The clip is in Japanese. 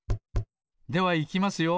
ではいきますよ。